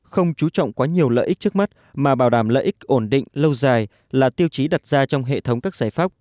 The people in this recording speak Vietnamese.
không chú trọng quá nhiều lợi ích trước mắt mà bảo đảm lợi ích ổn định lâu dài là tiêu chí đặt ra trong hệ thống các giải pháp